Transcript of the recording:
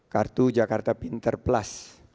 kartu jakarta pinter plus